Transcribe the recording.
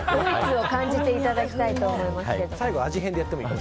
ドイツを感じていただきたいと思います。